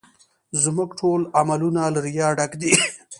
زموږ ټول عملونه له ریا ډک دي